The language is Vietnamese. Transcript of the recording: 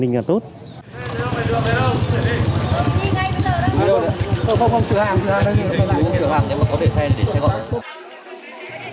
sửa hàng nhưng mà có đệm xe thì sẽ gọi